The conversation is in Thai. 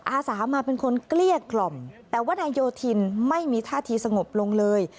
อาสามาเป็นคนเกลี้ยกล่อมแต่ว่านายโยธินไม่มีท่าทีสงบลงเลย